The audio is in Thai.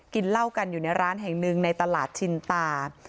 กินเหล้ากันอยู่ในร้านแห่งหนึ่งในตลาดชินตา